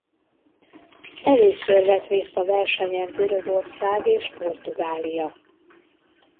Először vett részt a versenyen Görögország és Portugália.